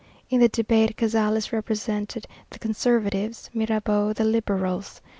In the debate Cazalès represented the conservatives, Mirabeau the liberals.